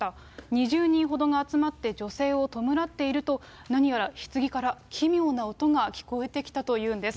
２０人ほどが集まって、女性を弔っていると、何やらひつぎから奇妙な音が聞こえてきたというんです。